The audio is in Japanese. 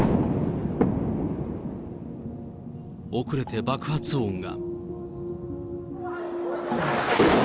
遅れて爆発音が。